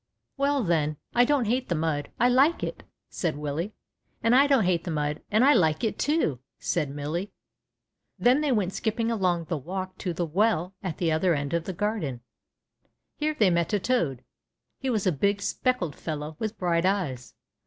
^AVell, then, I don't hate the mud, I like it," said Willie. And I don't hate the mud, and I like it, too," said Millie. Then they went skipping along the walk to the well at the other end of the garden. Here^they met a toad. He was a big, speckled fellow with bright eyes.